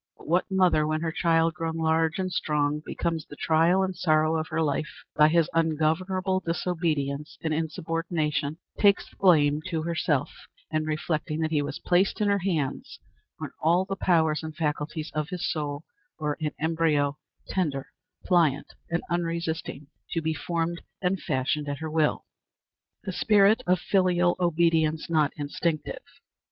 But what mother, when her child, grown large and strong, becomes the trial and sorrow of her life by his ungovernable disobedience and insubordination, takes the blame to herself in reflecting that he was placed in her hands when all the powers and faculties of his soul were in embryo, tender, pliant, and unresisting, to be formed and fashioned at her will? The Spirit of filial Obedience not Instinctive.